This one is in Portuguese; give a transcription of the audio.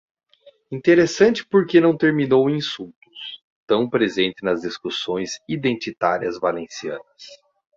Interessante porque não terminou em insultos, tão presente nas discussões identitárias valencianas.